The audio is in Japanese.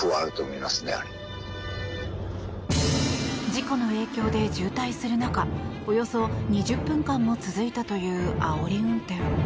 事故の影響で渋滞する中およそ２０分間も続いたというあおり運転。